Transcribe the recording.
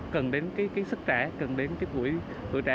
cần đến cái sức trẻ cần đến cái buổi tuổi trẻ